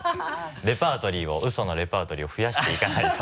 今から ウソのレパートリーを増やしていかないと。